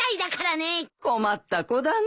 困った子だね。